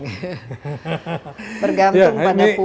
bergantung pada pupuk